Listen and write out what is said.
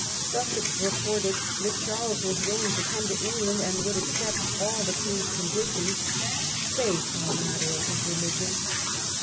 Sussex reported that Charles was willing to come to England and would accept all the Queen's conditions, save on the matter of his religion.